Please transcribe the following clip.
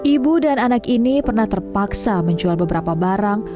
ibu dan anak ini pernah terpaksa menjual beberapa barang